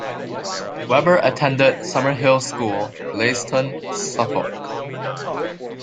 Weber attended Summerhill School, Leiston, Suffolk.